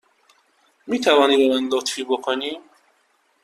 می توانی به من لطفی بکنی؟